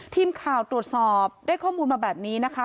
ทีมข่าวตรวจสอบได้ข้อมูลมาแบบนี้นะคะ